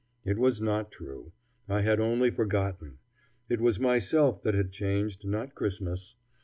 It was not true. I had only forgotten. It was myself that had changed, not Christmas.